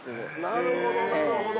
◆なるほど、なるほど。